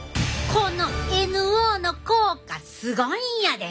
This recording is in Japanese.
このＮＯの効果すごいんやで。